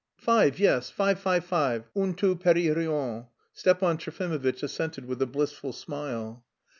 "Five, yes, five, five, five, un tout petit rien," Stepan Trofimovitch assented with a blissful smile.